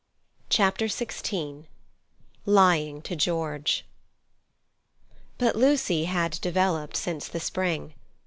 Chapter XVI Lying to George But Lucy had developed since the spring.